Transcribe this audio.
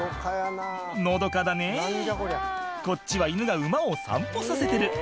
のどかだねぇこっちは犬が馬を散歩させてる